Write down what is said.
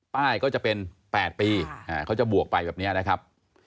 ก็จะเป็น๘ปีเขาจะบวกไปแบบนี้นะครับ